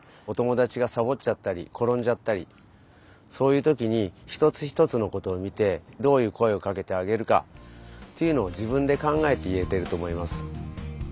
お友だちがさぼっちゃったりころんじゃったりそういうときにひとつひとつのことをみてどういう声をかけてあげるかっていうのを自分でかんがえていえてるとおもいます。